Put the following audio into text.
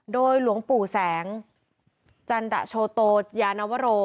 โดยหลวงปู่แสงจันดะโชโตยานวโร